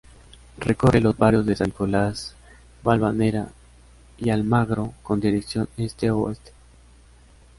Recorre los barrios de San Nicolás, Balvanera y Almagro con dirección este-oeste.